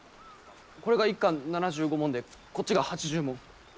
これが一貫７５文でこっちが８０文。